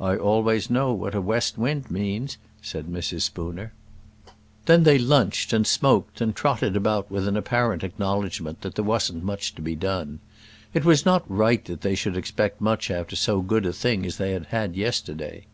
"I always know what a west wind means," said Mrs. Spooner. Then they lunched, and smoked, and trotted about with an apparent acknowledgement that there wasn't much to be done. It was not right that they should expect much after so good a thing as they had had yesterday.